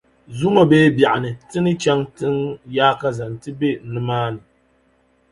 Zuŋɔ bee biɛɣuni ti ni chaŋ tiŋ’ yaakaza nti be nimaani.